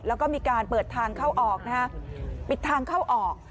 แล้วก็มีการเปิดทางเข้าออก